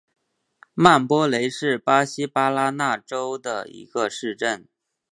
曼波雷是巴西巴拉那州的一个市镇。